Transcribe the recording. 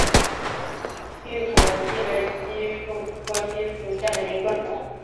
巨果槭为槭树科槭属下的一个种。